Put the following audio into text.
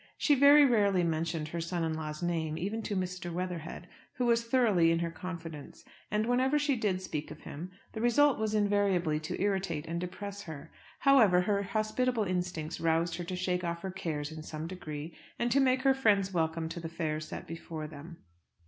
She very rarely mentioned her son in law's name, even to Mr. Weatherhead, who was thoroughly in her confidence; and, whenever she did speak of him, the result was invariably to irritate and depress her. However, her hospitable instincts roused her to shake off her cares in some degree, and to make her friends welcome to the fare set before them.